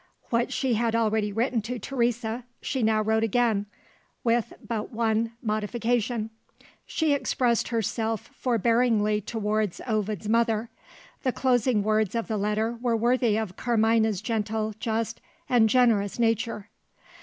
What she had already written to Teresa, she now wrote again with but one modification. She expressed herself forbearingly towards Ovid's mother. The closing words of the letter were worthy of Carmina's gentle, just, and generous nature.